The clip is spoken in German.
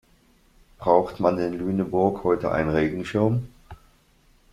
Braucht man in Lüneburg heute einen Regenschirm?